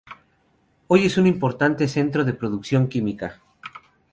Hoy es un importante centro de producción química.